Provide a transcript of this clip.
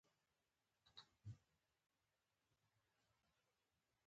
• د سهار دعا د الله د رحمت لامل دی.